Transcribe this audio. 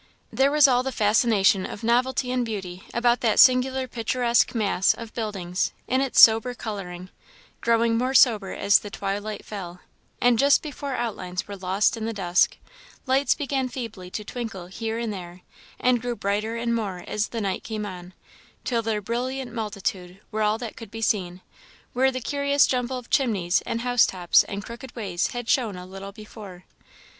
There was all the fascination of novelty and beauty about that singular picturesque mass of buildings, in its sober colouring, growing more sober as the twilight fell; and just before outlines were lost in the dusk, lights began feebly to twinkle here and there, and grew brighter and more as the night came on, till their brilliant multitude were all that could be seen, where the curious jumble of chimneys and house tops and crooked ways had shown a little before.